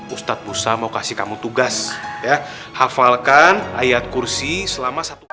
ustadz busa mau kasih kamu tugas ya hafalkan ayat kursi selama satu